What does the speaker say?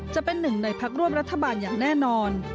จะเป็นหนึ่งในพักร่วมรัฐบาลอย่างแน่นอน